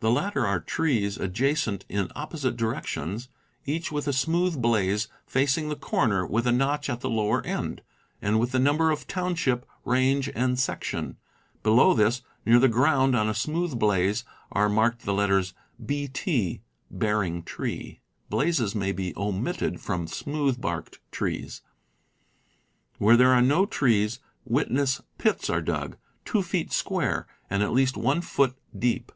The latter are trees ad jacent, in opposite directions, each with a smoothe blaze facing the corner, with a notch at the lower end, and with the number of township, range, and section; be low this, near the ground, on a smoothe blaze are marked the letters B. T. ("bearing tree"). Blazes may be omitted from smoothe barked trees. Where there are no trees, witness pits are dug, two feet square, and at least one foot deep.